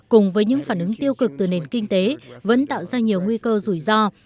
cùng với những phản ứng tiêu cực từ nền kinh tế vẫn tạo ra nhiều nguy cơ rủi ro